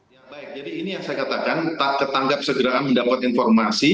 ya baik jadi ini yang saya katakan tak ketanggap segera mendapat informasi